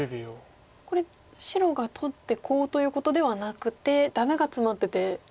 これ白が取ってコウということではなくてダメがツマってて。